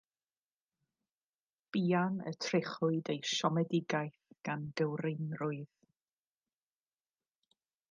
Buan y trechwyd ei siomedigaeth gan gywreinrwydd.